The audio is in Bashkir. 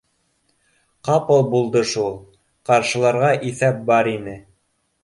— Ҡапыл булды шул, ҡаршыларға иҫәп бар ине